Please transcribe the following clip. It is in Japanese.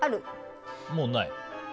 もうない？